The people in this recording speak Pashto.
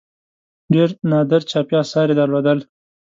ډېر نادر چاپي آثار یې درلودل.